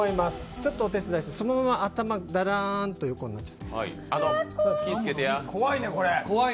ちょっとお手伝いして、そのまま頭、だらーんと横になってください。